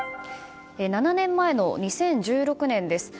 ７年前の２０１６年です。